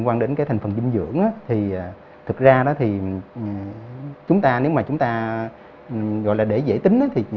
dụng là cái thành phần dinh dưỡng thì thực ra đó thì chúng ta nếu mà chúng ta gọi là để dễ tính thì